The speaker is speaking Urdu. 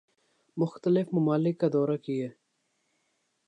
مختلف ممالک کا دورہ کیے